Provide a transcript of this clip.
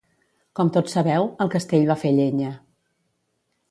Com tots sabeu, el castell va fer llenya.